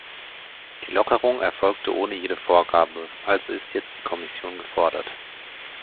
Die Lockerung erfolgte ohne jede Vorgabe, also ist jetzt die Kommission gefordert.